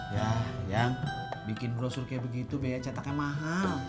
ya yang bikin brosur kayak begitu biaya cetaknya mahal